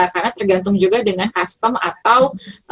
karena tergantung juga dengan custom atau